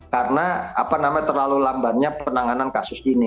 karena apa namanya terlalu lambatnya penanganan kasus ini